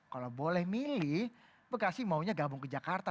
kalau boleh milih bekasi maunya gabung ke jakarta